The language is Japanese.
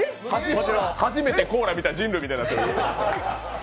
初めてコーラ見た人類みたいになってる。